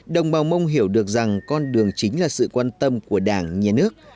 đồng bào mông hiểu được rằng con đường chính là sự quan tâm của đảng nhà nước